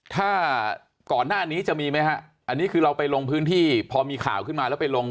ถ้าก่อนหน้านี้จะมีไหมฮะอันนี้คือเราไปลงพื้นที่พอมีข่าวขึ้นมาแล้วไปลง